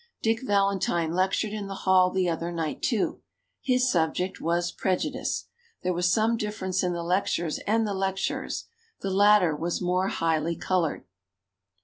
Dick Valentine lectured in the hall the other night too. His subject was "Prejudice." There was some difference in the lectures and the lecturers. The latter was more highly colored.